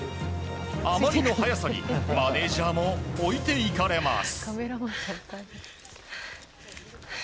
あまりの速さにマネジャーも置いていかれます。